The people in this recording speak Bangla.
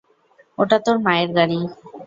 ওটা তোর মায়ের গাড়ি।